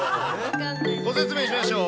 ご説明しましょう。